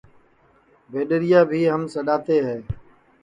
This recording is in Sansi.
بھیڈؔیریا بھی ہم سڈؔاتے ہے